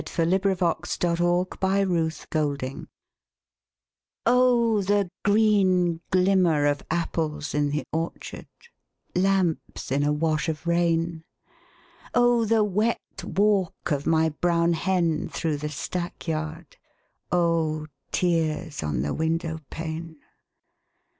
H. LAWRENCE BALLAD OF ANOTHER OPHELIA Oh, the green glimmer of apples in the orchard, Lamps in a wash of rain, Oh, the wet walk of my brown hen through the stackyard, Oh, tears on the window pane!